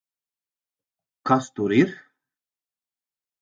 Kas tur ir?